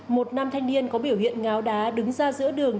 một nam thanh niên có biểu hiện ngáo đá đứng ra giữa đường